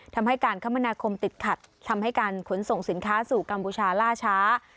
ทำให้การคมนาคมติดขัดทำให้การขนส่งสินค้าสู่กัมพูชาล่าช้า